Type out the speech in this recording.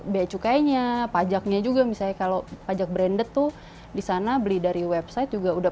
bayarnya pajaknya juga misalnya kalau pajak branded tuh disana beli dari website juga udah